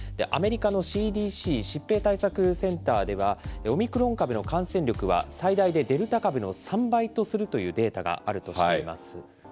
アメリカのＣＤＣ・疾病対策センターでは、オミクロン株の感染力は最大でデルタ株の３倍とするデータがあるとしています。